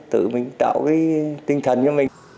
tự mình tạo cái tinh thần cho mình